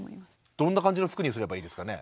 どんな感じの服にすればいいですかね？